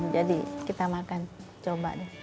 jadi kita makan coba deh